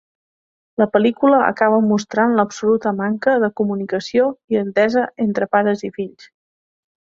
La pel·lícula acaba mostrant l'absoluta manca de comunicació i entesa entre pares i fill.